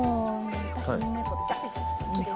私、猫大好きです。